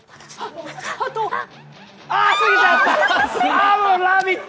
あ、もう、「ラヴィット！」